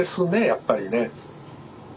やっぱりね。